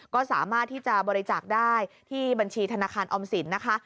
ก็สามารถที่จะบริจาคได้ที่บัญชีธนาคารออมสินนะคะ